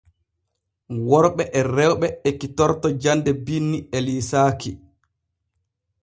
Rewɓe e worɓe ekkitorto jande binni e liisaaki.